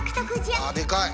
ああでかい！